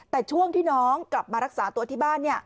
แต่ช่วงที่น้องกลับมารักษาตัวที่บ้าน